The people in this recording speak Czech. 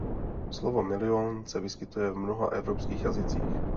Slovo "milion" se vyskytuje v mnoha evropských jazycích.